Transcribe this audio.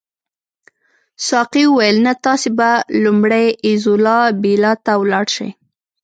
ساقي وویل نه تاسي به لومړی ایزولا بیلا ته ولاړ شئ.